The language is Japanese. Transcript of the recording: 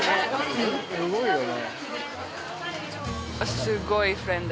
すごいよね。